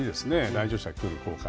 来場者が来る効果